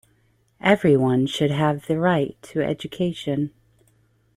Everyone should have the right to education.